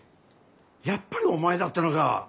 やっぱりお前だったのか。